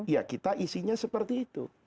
ya kita isinya seperti itu